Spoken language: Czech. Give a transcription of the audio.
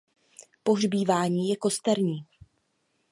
Pohřbívání je kosterní.